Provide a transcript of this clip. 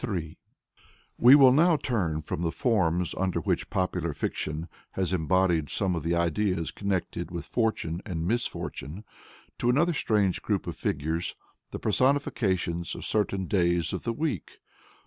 " We will now turn from the forms under which popular fiction has embodied some of the ideas connected with Fortune and Misfortune, to another strange group of figures the personifications of certain days of the week.